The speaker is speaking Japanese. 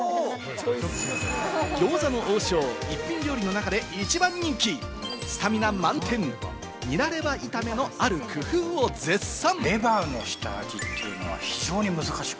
餃子の王将、一品料理の中で一番人気、スタミナ満点、ニラレバ炒めのある工夫を絶賛。